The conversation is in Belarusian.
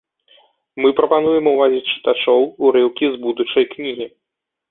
Мы прапануем увазе чытачоў урыўкі з будучай кнігі.